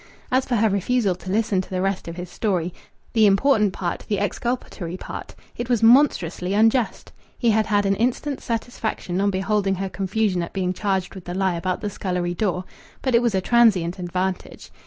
As for her refusal to listen to the rest of his story, the important part, the exculpatory part it was monstrously unjust. He had had an instant's satisfaction on beholding her confusion at being charged with the lie about the scullery door, but it was a transient advantage.